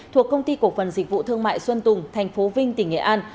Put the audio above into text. thuộc công ty cộng phần dịch vụ thương mại xuân tùng tp vinh tỉnh nghệ an